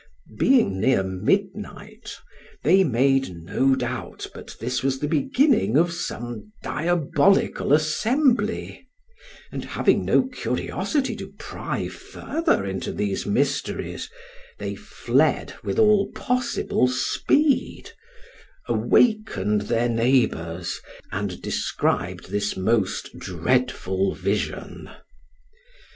Being near midnight, they made no doubt but this was the beginning of some diabolical assembly, and having no curiosity to pry further into these mysteries, they fled with all possible speed, awakened their neighbors, and described this most dreadful vision.